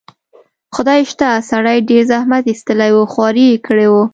خدای شته، سړي ډېر زحمت ایستلی و، خواري یې کړې وه.